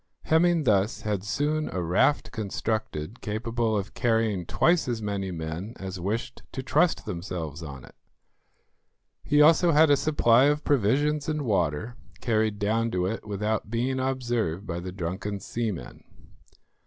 Hemming thus had soon a raft constructed capable of carrying twice as many men as wished to trust themselves on it. He also had a supply of provisions and water carried down to it without being observed by the drunken seamen.